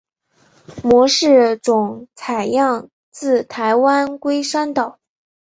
模式种采样自台湾龟山岛。